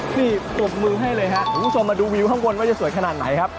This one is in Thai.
นี่ปรบมือให้เลยครับคุณผู้ชมมาดูวิวข้างบนว่าจะสวยขนาดไหนครับ